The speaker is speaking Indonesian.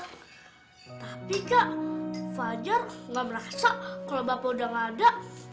tapi kak fajar gak merasa kalau bapak udah gak ada